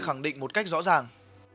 khẳng định một cách rõ ràng